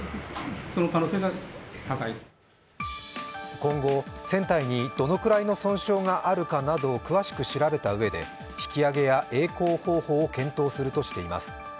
今後、船体にどのくらいの損傷があるかなどを詳しく調べたうえで引きあげやえい航方法を検討するとしています。